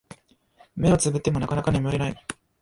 目をつぶってもなかなか眠れない